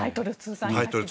タイトル